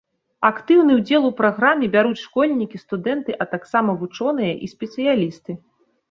Актыўны ўдзел у праграме бяруць школьнікі, студэнты, а таксама вучоныя і спецыялісты.